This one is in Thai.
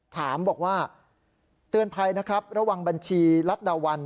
ถามบอกว่าเตือนภัยนะครับระวังบัญชีรัฐดาวัน